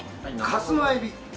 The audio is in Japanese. カスのエビ。